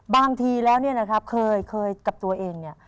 บางทีแล้วเนี่ยนะครับเคยกับตัวเองเนี่ย